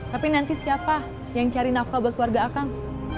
tapi nanti siapa yang cari nafkah buat keluarga akang